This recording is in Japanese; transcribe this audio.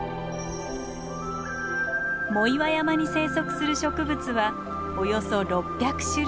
藻岩山に生息する植物はおよそ６００種類。